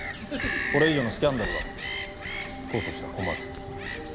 これ以上のスキャンダルは党としては困る。